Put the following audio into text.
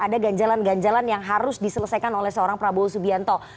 ada ganjalan ganjalan yang harus diselesaikan oleh seorang prabowo subianto